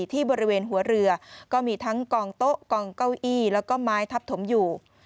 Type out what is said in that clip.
ที่บริเวณหัวเรือก็มีทั้งกองโต๊ะกองเก้าอี้แล้วก็ไม้ทับถมอยู่